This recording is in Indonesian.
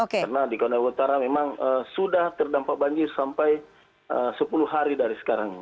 karena di konawe utara memang sudah terdampak banjir sampai sepuluh hari dari sekarang